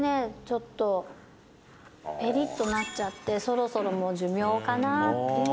ちょっとペリッとなっちゃってそろそろもう寿命かな」